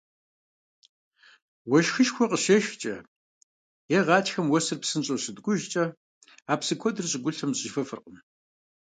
Уэшхышхуэ къыщешхкӀэ е гъатхэм уэсыр псынщӀэу щыткӀужкӀэ а псы куэдыр щӀыгулъым зэщӀифыфыркъым.